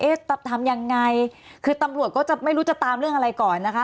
ทำยังไงคือตำรวจก็จะไม่รู้จะตามเรื่องอะไรก่อนนะคะ